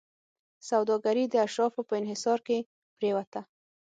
سوداګري د اشرافو په انحصار کې پرېوته.